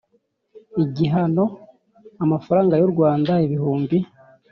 Igihano Amafaranga Y U Rwanda Ibihumbi